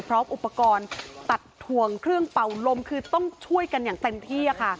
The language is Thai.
พร้อมอุปกรณ์ตัดถ่วงเครื่องเป่าลมคือต้องช่วยกันอย่างเต็มที่ค่ะ